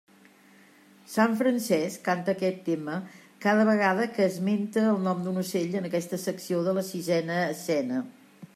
Sant Francesc canta aquest tema cada vegada que esmenta el nom d'un ocell en aquesta secció de la sisena escena.